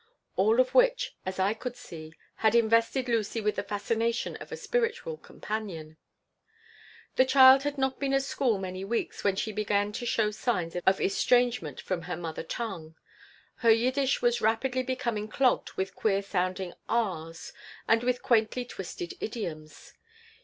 All of which, as I could see, had invested Lucy with the fascination of a spiritual companion The child had not been at school many weeks when she began to show signs of estrangement from her mother tongue. Her Yiddish was rapidly becoming clogged with queer sounding "r's" and with quaintly twisted idioms.